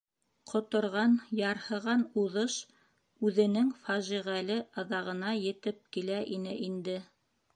Ҡоторған, ярһыған уҙыш үҙенең фажиғәле аҙағына етеп килә ине инде.